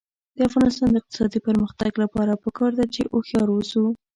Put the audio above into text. د افغانستان د اقتصادي پرمختګ لپاره پکار ده چې هوښیار اوسو.